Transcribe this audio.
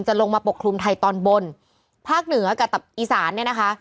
ลงมาปกคลุมไทยตอนบนภาคเหนือกับอีสานเนี่ยนะคะ